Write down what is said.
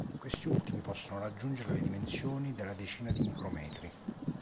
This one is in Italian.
Questi ultimi possono raggiungere le dimensioni della decina di micrometri.